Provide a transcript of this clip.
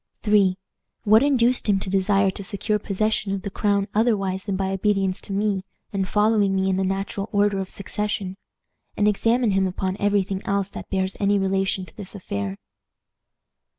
"III. What induced him to desire to secure possession of the crown otherwise than by obedience to me, and following me in the natural order of succession? And examine him upon every thing else that bears any relation to this affair."